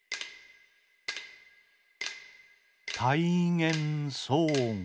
「たいげんそうご」。